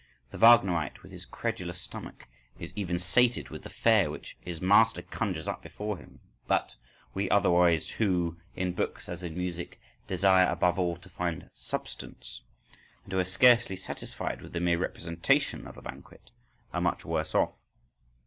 —The Wagnerite, with his credulous stomach, is even sated with the fare which his master conjures up before him. But we others who, in books as in music, desire above all to find substance, and who are scarcely satisfied with the mere representation of a banquet, are much worse off.